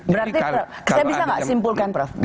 berarti saya bisa nggak simpulkan prof